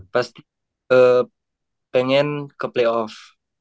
pasti pengen ke playoff